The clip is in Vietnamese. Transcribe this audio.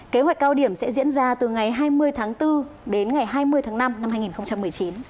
kế hoạch cao điểm sẽ diễn ra từ ngày hai mươi tháng bốn đến ngày hai mươi tháng năm năm hai nghìn một mươi chín